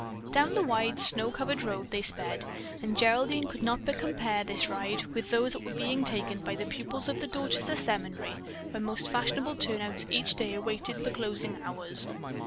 Down the wide, snow covered road they sped, and Geraldine could not but compare this ride with those that were being taken by the pupils of the Dorchester Seminary, where most fashionable turnouts each day awaited the closing hours.